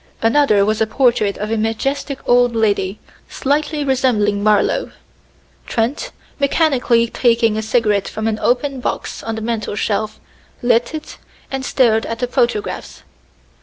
Another was a portrait of a majestic old lady, slightly resembling Marlowe. Trent, mechanically taking a cigarette from an open box on the mantel shelf, lit it and stared at the photographs.